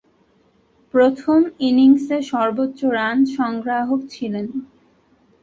প্রথম ইনিংসে সর্বোচ্চ রান সংগ্রাহক ছিলেন।